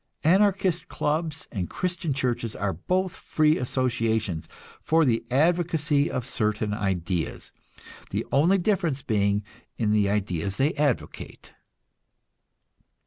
Anarchist clubs and Christian churches are both free associations for the advocacy of certain ideas, the only difference being in the ideas they advocate.